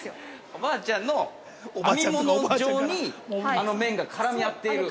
◆おばあちゃんの編み物状にあの麺が絡み合っている？